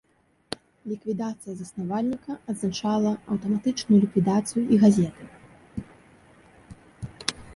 Ліквідацыя заснавальніка азначала аўтаматычную ліквідацыю і газеты.